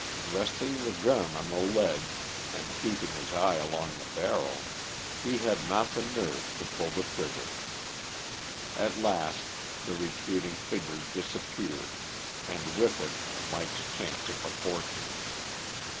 Resting the gun on the ledge and keeping his eye along the barrel, he had not the nerve to pull the trigger. At last the retreating figure disappeared, and with it Mike's chance of a fortune.